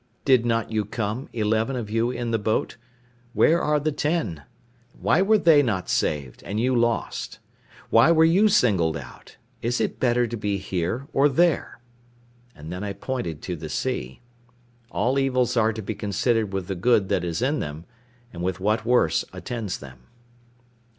Did not you come, eleven of you in the boat? Where are the ten? Why were they not saved, and you lost? Why were you singled out? Is it better to be here or there?" And then I pointed to the sea. All evils are to be considered with the good that is in them, and with what worse attends them.